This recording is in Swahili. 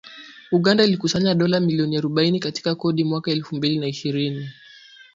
Uganda ilikusanya dola milioni arobaini katika kodi mwaka elfu mbili na ishirini